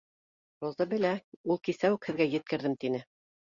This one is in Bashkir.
Роза белә, ул, кисә үк һеҙгә еткерҙем, тине